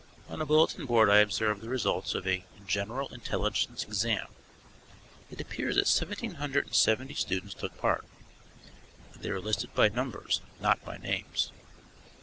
On a bulletin board I observed the results of a "General Intelligence Exam." It appears that 1,770 students took part. They were listed by numbers, not by names.